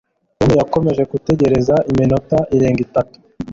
Tom yakomeje gutegereza iminota irenga itatu.